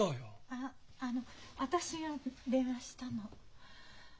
あっあの私が電話したの。